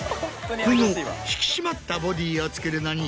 この引き締まったボディーをつくるのに。